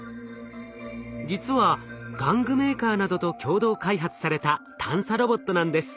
実は玩具メーカーなどと共同開発された探査ロボットなんです。